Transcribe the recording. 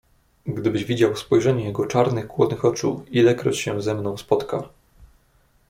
"Gdybyś widział spojrzenie jego czarnych, głodnych oczu, ilekroć się ze mną spotka!"